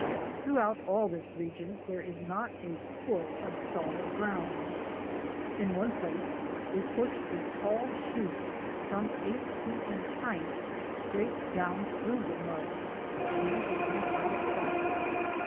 Throughout all this great region there is not a foot of solid ground. In one place we pushed a tall shoot some eight feet in height straight down through the mud, and it went out of sight.